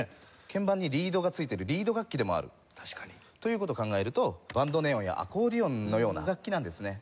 鍵盤にリードがついているリード楽器でもあるという事を考えるとバンドネオンやアコーディオンのような楽器なんですね。